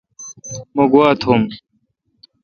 مہ گوا تھوم۔